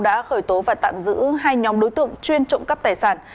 đã khởi tố và tạm giữ hai nhóm đối tượng chuyên trộm cắp tài sản